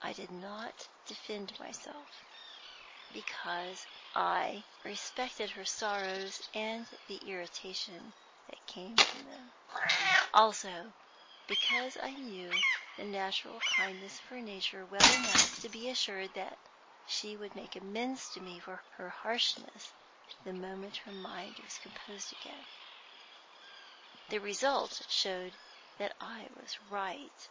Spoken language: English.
I did not defend myself, because I respected her sorrows and the irritation that came from them; also, because I knew the natural kindness of her nature well enough to be assured that she would make amends to me for her harshness the moment her mind was composed again. The result showed that I was right.